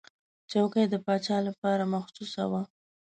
چوکۍ د پاچا لپاره مخصوصه وه.